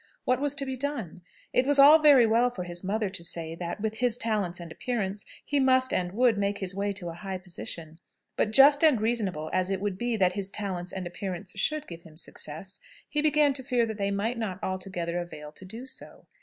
What was to be done? It was all very well for his mother to say that, with his talents and appearance, he must and would make his way to a high position; but, just and reasonable as it would be that his talents and appearance should give him success, he began to fear that they might not altogether avail to do so.